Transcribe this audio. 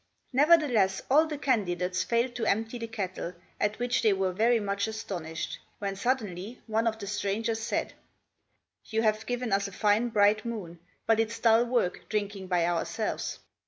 Nevertheless, all the candidates failed to empty the kettle, at which they were very much astonished, when suddenly one of the strangers said, "You have given us a fine bright moon; but it's dull work drinking by ourselves.